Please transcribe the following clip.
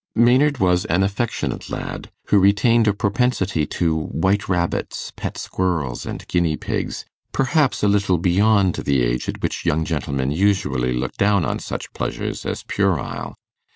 Maynard was an affectionate lad, who retained a propensity to white rabbits, pet squirrels, and guinea pigs, perhaps a little beyond the age at which young gentlemen usually look down on such pleasures as puerile.